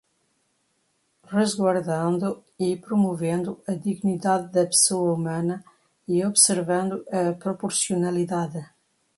resguardando e promovendo a dignidade da pessoa humana e observando a proporcionalidade